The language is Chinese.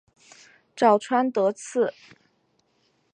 早川德次